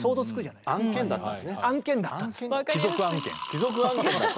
貴族案件だった。